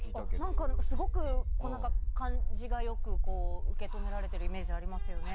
すごく感じよく受け止められているイメージがありますよね。